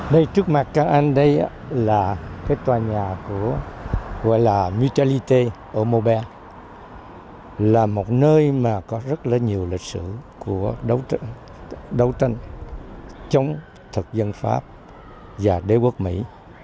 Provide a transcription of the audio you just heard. đây là một nơi mà có rất là nhiều lịch sử của đấu tranh chống thực dân pháp và đế quốc mỹ